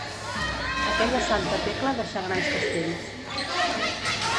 Aquella Santa Tecla deixà grans castells.